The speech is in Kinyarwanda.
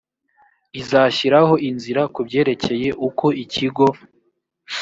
izashyiraho inzira ku byerekeye uko ikigo